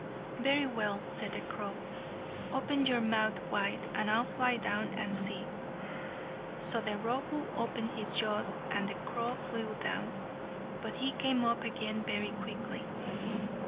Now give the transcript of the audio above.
"Very well," said the crow, "open your mouth wide, and I'll fly down and see." So the Rohu opened his jaws and the crow flew down, but he came up again very quickly.